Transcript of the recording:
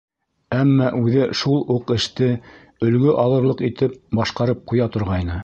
Әммә үҙе шул уҡ эште өлгө алырлыҡ итеп башҡарып ҡуя торғайны.